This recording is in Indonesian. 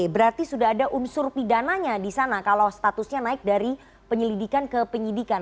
berarti sudah ada unsur pidananya di sana kalau statusnya naik dari penyelidikan ke penyidikan